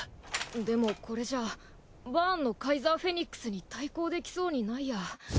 でもこれじゃあバーンのカイザーフェニックスに対抗できそうにないや。